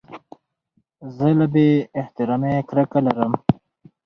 زه له بې احترامۍ کرکه لرم.